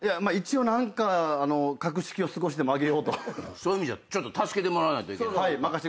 そういう意味ではちょっと助けてもらわないといけない。